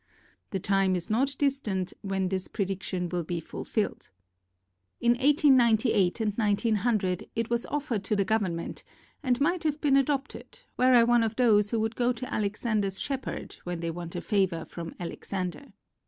The time is not distant when this prediction will be fulfilled. In 1898 and 1900 it was offered to the Government and might have been adopted were I one of those who would go to Alexander's shep herd when they want a favor from Al exander.